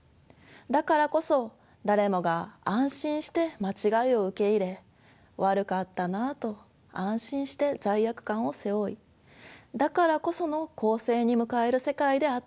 だからこそ誰もが安心して「間違い」を受け入れ「悪かったなあ」と安心して罪悪感を背負いだからこその更生に向かえる世界であってほしい。